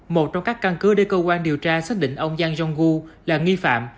một trong các căn cứ để cơ quan điều tra xác định ông giang jong u là nghi phạm